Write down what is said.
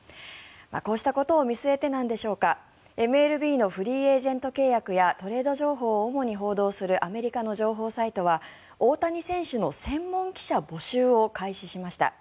こうしたことを見据えてなんでしょうかＭＬＢのフリーエージェント契約やトレード情報を主に報道するアメリカの情報サイトは大谷選手の専門記者募集を開始しました。